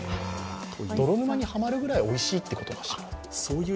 泥沼にハマるくらいおいしいということかしら？